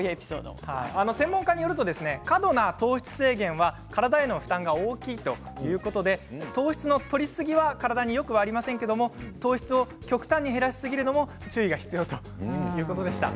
専門家によると過度な糖質制限は体の負担が大きいということで糖質のとりすぎは体によくはありませんけれども糖質を極端に減らしすぎるのも注意が必要ということでした。